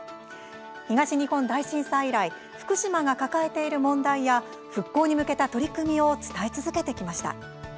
東日本大震災以来福島が抱えている問題や復興に向けた取り組みを伝え続けてきました。